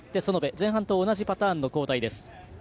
前半と同じパターンの交代。